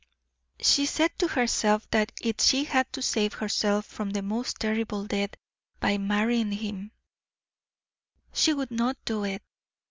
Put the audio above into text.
She said to herself that if she had to save herself from the most terrible death by marrying him, she would not do it.